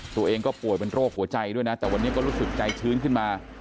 ตัวเองก็ป่วยเป็นโรคหัวใจด้วยนะแต่วันนี้ก็รู้สึกใจชื้นขึ้นมา